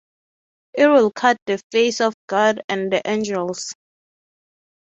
It will cut the face of God and the angels.